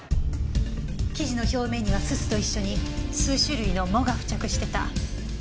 生地の表面には煤と一緒に数種類の藻が付着してた。